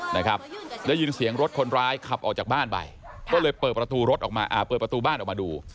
ได้ยินเสียงรถคนร้ายขับออกจากบ้านไปก็เลยเปิดประตูบ้านออกมาดู